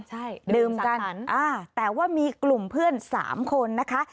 ใช่ดื่มสักครั้งอ้าวแต่ว่ามีกลุ่มเพื่อน๓คนนะคะ